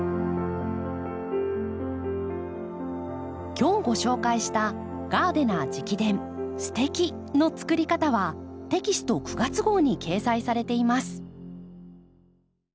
今日ご紹介した「ガーデナー直伝すてき！の作り方」はテキスト９月号に掲載されています。